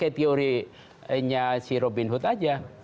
ini tidak hanya si robin hood saja